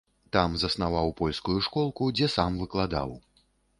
Там заснаваў польскую школку, дзе сам выкладаў.